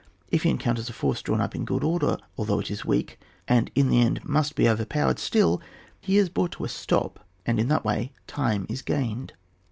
If he encounters a force drawn up in good order, although it is weak, and in the end must be over powered, still he is brought to a stop, and in that way time is gained.